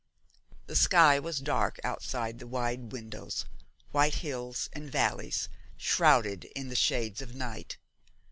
The sky was dark outside the wide windows, white hills and valleys shrouded in the shades of night.